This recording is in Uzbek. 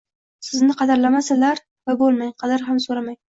Sizni qadrlamasalar, xafa bo’lmang, qadr xam so’ramang.!